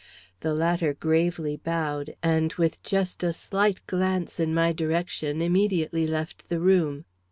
The latter gravely bowed, and with just a slight glance in my direction, immediately left the room.